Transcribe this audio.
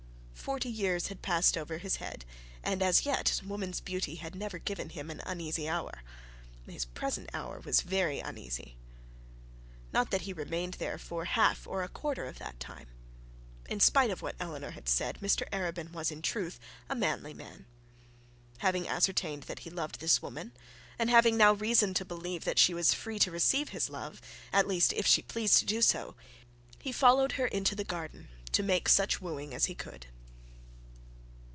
Forty years had passed over his head, and as yet woman's beauty had never given him an uneasy hour. His present hour was very uneasy. Not that he remained there for half or a quarter of that time. In spite of what Eleanor had said, Mr Arabin was, in truth, a manly man. Having ascertained that he loved this woman, and having now reason to believe that she was free to receive his love, at least if she pleased to do so, he followed her into the garden to make such wooing as he could.